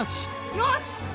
よし！